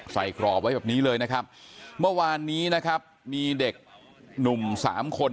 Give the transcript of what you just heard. กรอบไว้แบบนี้เลยนะครับเมื่อวานนี้นะครับมีเด็กหนุ่มสามคน